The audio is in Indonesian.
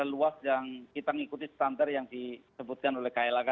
luas yang kita ngikuti standar yang disebutkan oleh klhk